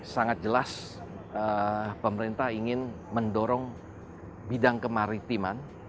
sangat jelas pemerintah ingin mendorong bidang kemaritiman